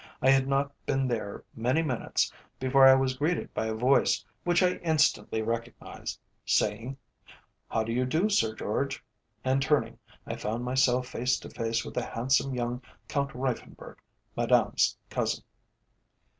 I had not been there many minutes before I was greeted by a voice, which I instantly recognised, saying: "How do you do, Sir George," and turning, I found myself face to face with the handsome young Count Reiffenburg, Madame's cousin.